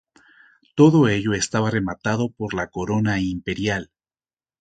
Todo ello estaba rematado por la corona imperial.